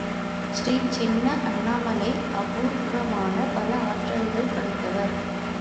ஸ்ரீ சின்ன அண்ணாமலை அபூர்வமான பல ஆற்றல்கள் படைத்தவர்.